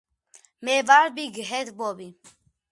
მე ვარ ბიგ ჰედ ბობი